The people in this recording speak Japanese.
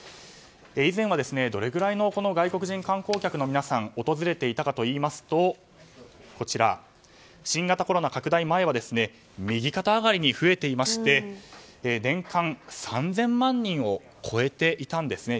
以前はどれぐらいの外国人観光客の皆さんが訪れていたかといいますと新型コロナ拡大前は右肩上がりに増えていまして年間３０００万人を超えていたんですね。